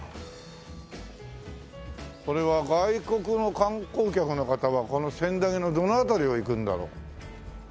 これは外国の観光客の方はこの千駄木のどの辺りを行くんだろう？